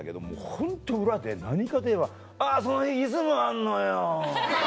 ホント裏で何かといえば「その日『イズム』あんのよ」。